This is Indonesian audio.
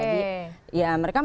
jadi ya mereka main